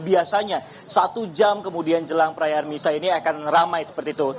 biasanya satu jam kemudian jelang perayaan misa ini akan ramai seperti itu